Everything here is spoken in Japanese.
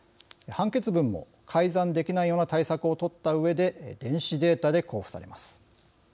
判決文も改ざんできないような対策を取ったうえで電子データで交付されます。